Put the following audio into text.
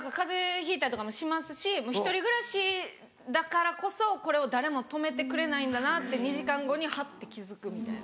ひいたりとかもしますしひとり暮らしだからこそこれを誰も止めてくれないんだなって２時間後にはって気付くみたいな。